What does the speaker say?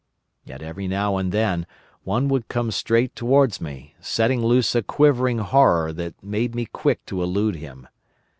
"Yet every now and then one would come straight towards me, setting loose a quivering horror that made me quick to elude him.